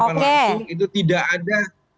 langsung itu tidak ada